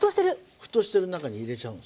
沸騰してる中に入れちゃうんですね。